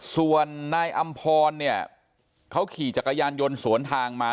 ส่วนนายอำพรเนี่ยเขาขี่จักรยานยนต์สวนทางมา